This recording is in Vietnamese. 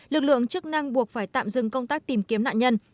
lực lượng chức năng buộc phải tạm dừng công tác tìm kiếm nạn nhân